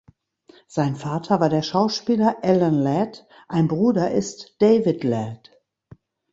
Sein Vater war der Schauspieler Alan Ladd, ein Bruder ist David Ladd.